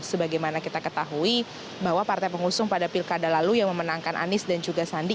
sebagaimana kita ketahui bahwa partai pengusung pada pilkada lalu yang memenangkan anies dan juga sandi